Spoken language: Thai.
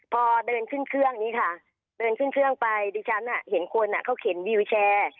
พอเดินขึ้นเครื่องนี้ค่ะเดินขึ้นเครื่องไปดิฉันเห็นคนเขาเข็นวิวแชร์